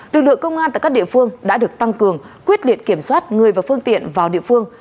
lực lượng công an tại các địa phương đã được tăng cường quyết liệt kiểm soát người và phương tiện vào địa phương